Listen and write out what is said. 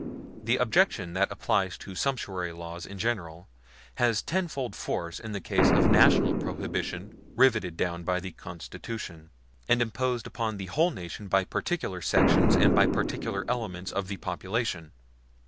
The objection that applies to sumptuary laws in general has tenfold force in the case of National Prohibition riveted down by the Constitution, and imposed upon the whole nation by particular sections and by particular elements of the population.